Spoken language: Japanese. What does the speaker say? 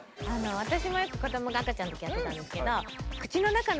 私もよく子どもが赤ちゃんの時やってたんですけど